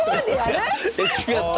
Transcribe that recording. ⁉え違った？